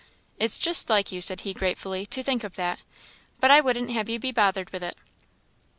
"It's just like you," said he, gratefully "to think of that; but I wouldn't have you be bothered with it."